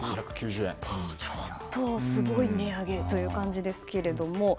ちょっとすごい値上げという感じですけれども。